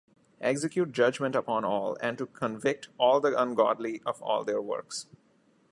Execute judgment upon all, and to convict all the ungodly of all their works.